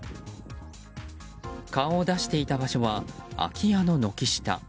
顔を出していた場所は空き家の軒下。